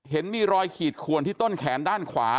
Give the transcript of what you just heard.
เห็นมีรอยขีดขวนที่ต้นแขนด้านขวา